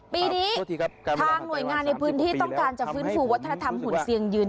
ปีนี้ทางหน่วยงานในพื้นที่ต้องการจะฟื้นฟูวัฒนธรรมหุ่นเซียงยืน